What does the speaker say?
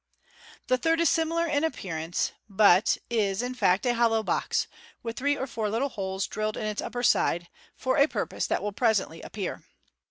The third is similar in appearance, but is, in fact, a hollow box, with three or four little holes drilled in its upper side, for a purpose that will presently appear.